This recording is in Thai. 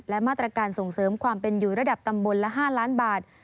และมาตรการส่งเสริมความเป็นอยู่ระดับตำบลละ๕ล้านบาท